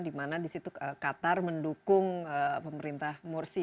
karena di situ qatar mendukung pemerintah mursi